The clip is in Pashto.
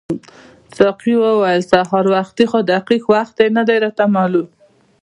ساقي وویل سهار وختي خو دقیق وخت یې نه دی راته معلوم.